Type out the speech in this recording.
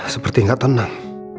seperti gak tenang